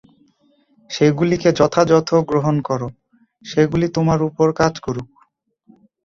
সেগুলিকে যথাযথ গ্রহণ কর, সেগুলি তোমার উপর কাজ করুক।